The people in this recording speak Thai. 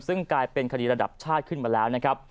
ซึ่งกลายเป็นคดีระดับชาติขึ้นมาแล้วนะครับ